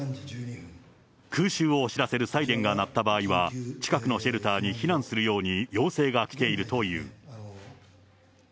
空襲を知らせるサイレンが鳴った場合は、近くのシェルターに避難するように要請が来ているという。